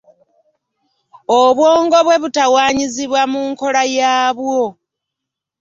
Obwongo bwe butawaanyizibwa mu nkola yaabwo.